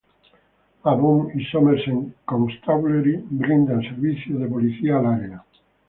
Avon y Somerset Constabulary brindan servicios de policía al área.